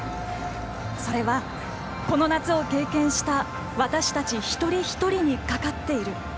それは、この夏を経験した私たち一人一人にかかっている。